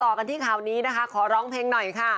กันที่ข่าวนี้นะคะขอร้องเพลงหน่อยค่ะ